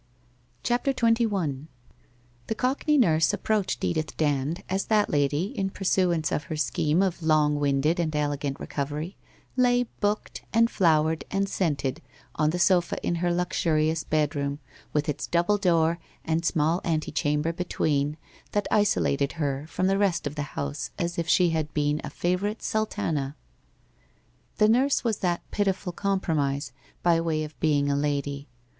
CHAPTER XXI The Cockney nurse approached Edith Dand, as that lady, in pursuance of her scheme of long winded and elegant recovery, lay, booked, and flowered, and scented, on the sofa in her luxurious bedroom, with its double door and small ante chamber between, that isolated her from the rest of the house as if she had been a favourite Sultana. The nurse was that pitiful compromise, by way of being a lady.